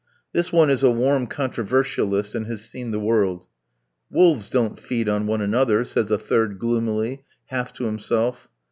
This one is a warm controversialist, and has seen the world. "Wolves don't feed on one another," says a third gloomily, half to himself.